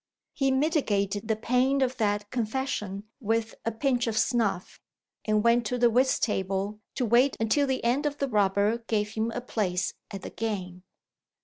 He mitigated the pain of that confession with a pinch of snuff, and went to the whist table to wait until the end of the rubber gave him a place at the game.